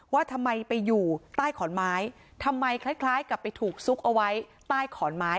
ว่าทำไมไปอยู่ใต้ขอนไม้ทำไมคล้ายคล้ายกับไปถูกซุกเอาไว้ใต้ขอนไม้